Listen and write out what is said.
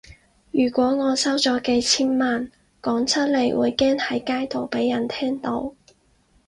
如果我收咗幾千萬，講出嚟會驚喺街度畀人聽到